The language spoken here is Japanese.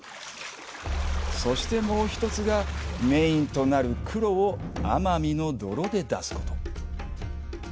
そして、もう１つがメインとなる黒を奄美の泥で出すこと。